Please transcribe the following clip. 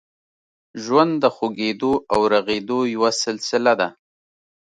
ژوند د خوږېدو او رغېدو یوه سلسله ده.